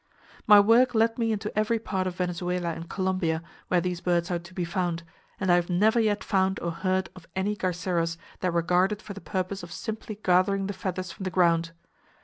"My work led me into every part of Venezuela and Colombia where these birds are to be found, and I have never yet found or heard of any garceros that were guarded for the purpose of simply gathering the feathers from the ground.